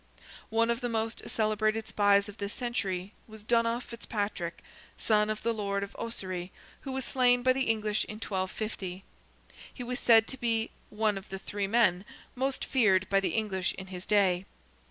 One of the most celebrated spies of this century was Donogh Fitzpatrick, son of the Lord of Ossory, who was slain by the English in 1250. He was said to be "one of the three men" most feared by the English in his day.